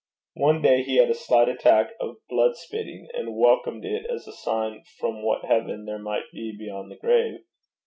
One day he had a slight attack of blood spitting, and welcomed it as a sign from what heaven there might be beyond the grave.